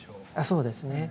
そうですね。